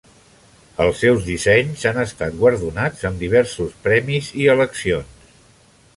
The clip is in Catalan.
Els seus dissenys han estat guardonats amb diversos premis i eleccions.